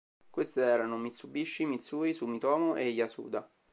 Queste erano Mitsubishi, Mitsui, Sumitomo e Yasuda.